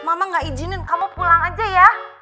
mama gak izinin kamu pulang aja ya